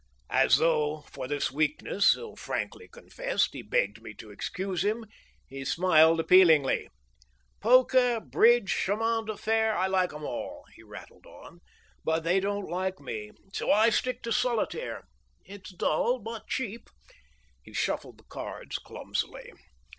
As though for this weakness, so frankly confessed, he begged me to excuse him, he smiled appealingly. "Poker, bridge, chemin de fer, I like 'em all," he rattled on, "but they don't like me. So I stick to solitaire. It's dull, but cheap." He shuffled the cards clumsily.